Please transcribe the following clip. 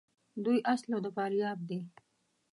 دوی اصلاُ د فاریاب دي.